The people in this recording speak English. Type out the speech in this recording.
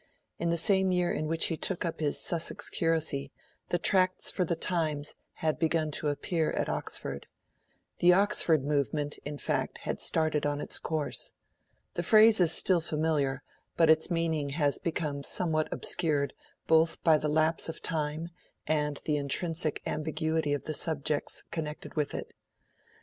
In the same year in which he took up his Sussex curacy, the Tracts for the Times had begun to appear at Oxford. The 'Oxford Movement', in fact, had started on its course. The phrase is still familiar; but its meaning has become somewhat obscured both by the lapse of time and the intrinsic ambiguity of the subjects connected with it.